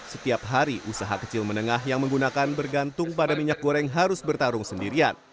setiap hari usaha kecil menengah yang menggunakan bergantung pada minyak goreng harus bertarung sendirian